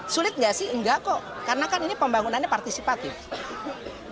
sulit nggak sih enggak kok karena kan ini pembangunannya partisipatif